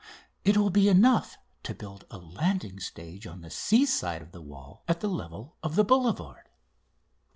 "It will be enough to build a landing stage on the sea side of the wall at the level of the boulevard."